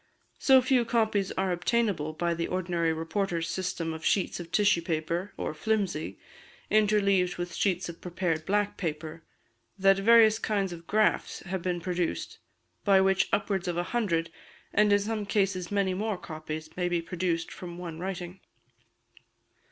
So few copies are obtainable by the ordinary reporters' system of sheets of tissue paper, or "flimsy," interleaved with sheets of prepared black paper, that various kinds of "graphs" have been produced, by which upwards of a hundred, and in some cases many more, copies may be produced from one writing.